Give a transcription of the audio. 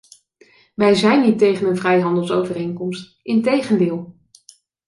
Wij zijn niet tegen een vrijhandelsovereenkomst; integendeel.